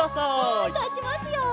はいたちますよ！